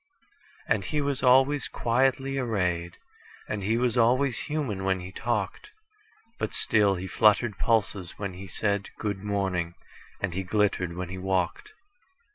And he was always quietly arrayed, And he was always human when he talked; But still he fluttered pulses when he said,"Good morning," and he glittered when he walked.